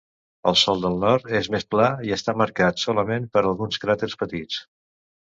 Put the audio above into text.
El sòl del nord és més pla i està marcat solament per alguns cràters petits.